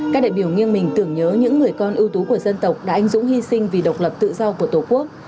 các đại biểu nghiêng mình tưởng nhớ những người con ưu tú của dân tộc đã anh dũng hy sinh vì độc lập tự do của tổ quốc